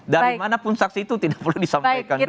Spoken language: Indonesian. dari manapun saksi itu tidak boleh disampaikan